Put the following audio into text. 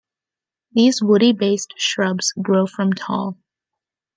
These woody-based shrubs grow from tall.